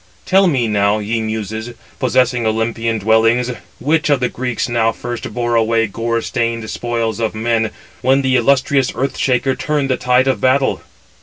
Tell me now, ye muses, possessing Olympian dwellings, which of the Greeks now first bore away gore stained spoils of men, when the illustrious Earth shaker turned the [tide of] battle.